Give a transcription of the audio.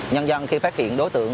nhân dân khi phát hiện đối tượng